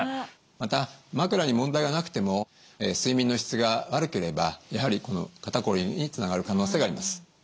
また枕に問題がなくても睡眠の質が悪ければやはりこの肩こりにつながる可能性があります。